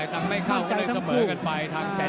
แต่ไม่เข้าเพิ่มใจทั้งคู่